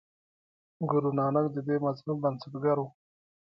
ګورو نانک د دې مذهب بنسټګر و.